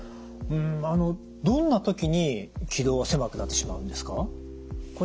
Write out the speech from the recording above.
あのどんな時に気道は狭くなってしまうんですか？